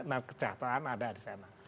nah kejahteraan ada di sana